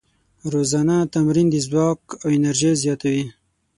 روزانه تمرین د ځواک او انرژۍ زیاتوي.